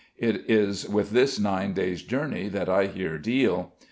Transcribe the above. It is with this nine days' journey that I here deal.